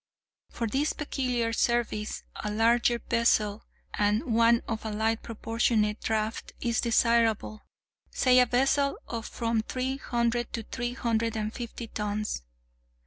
For this peculiar service, a larger vessel, and one of a light proportionate draught, is desirable—say a vessel of from three hundred to three hundred and fifty tons.